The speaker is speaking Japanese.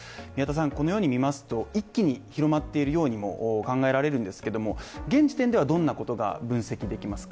このように見ますと、一気に広まっているようにも考えられるんですけども、現時点ではどんなことが分析できますか。